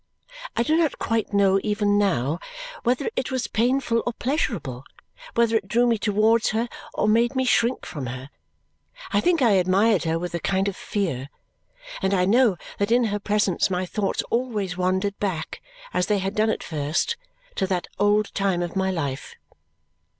I do not quite know even now whether it was painful or pleasurable, whether it drew me towards her or made me shrink from her. I think I admired her with a kind of fear, and I know that in her presence my thoughts always wandered back, as they had done at first, to that old time of my life.